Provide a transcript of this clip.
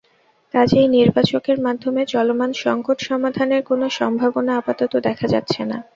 কাজেই নির্বাচনের মাধ্যমে চলমান সংকট সমাধানের কোনো সম্ভাবনা আপাতত দেখা যাচ্ছে না।